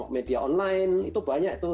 media online itu banyak tuh